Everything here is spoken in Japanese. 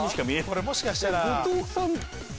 これもしかしたら。